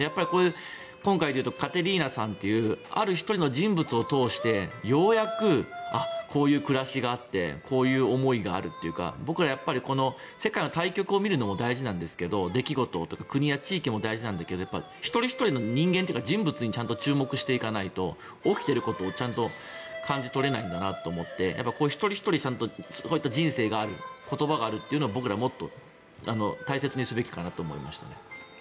今回でいうとカテリーナさんというある１人の人物を通してようやくこういう暮らしがあってこういう思いがあるというか僕ら、世界の大局を見るのも大事なんですけど出来事、国や地域も大事なんだけど一人ひとりの人間というか人物にちゃんと注目していかないと起きていることを、ちゃんと感じ取れないんだなと思ってこういう一人ひとりこういった人生がある言葉があるというのを僕らはもっと大切にすべきかなと思いました。